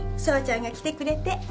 奏ちゃんが来てくれて。